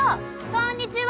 こんにちは！